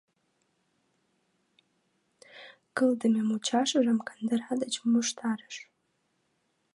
Кылдыме мучашыжым кандыра деч мучыштарыш.